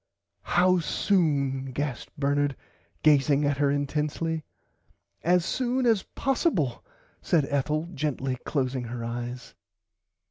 How soon gasped Bernard gazing at her intensly. As soon as possible said Ethel gently closing her eyes.